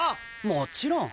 もちろん。